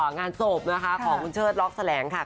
งานศพของคุณเชิ้จล๊อคแสลงค่ะ